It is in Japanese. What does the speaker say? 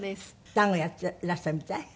タンゴやっていらしたみたい？